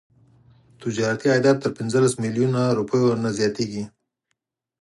تجارتي عایدات تر پنځلس میلیونه روپیو نه زیاتیږي.